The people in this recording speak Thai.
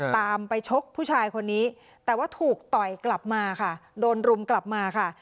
ตามไปชกผู้ชายคนนี้แต่ว่าถูกต่อยกลับมาค่ะโดนรุมกลับมาค่ะ